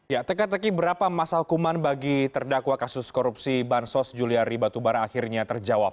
ya teka teki berapa masa hukuman bagi terdakwa kasus korupsi bansos juliari batubara akhirnya terjawab